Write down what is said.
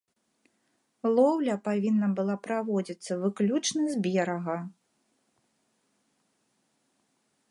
Лоўля павінна была праводзіцца выключна з берага.